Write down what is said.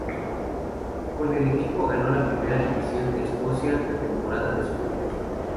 Con el equipo ganó la Primera División de Escocia la temporada de su debut.